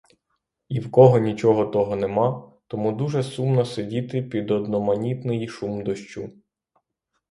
І в кого нічого того нема, тому дуже сумно сидіти під одноманітний шум дощу.